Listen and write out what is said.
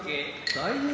・大栄